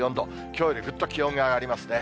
きょうよりぐっと気温が上がりますね。